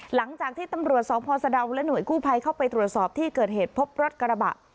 หลังจากที่ตำรวจสพสะดาวและหน่วยกู้ภัยเข้าไปตรวจสอบที่เกิดเหตุพบรถกระบะ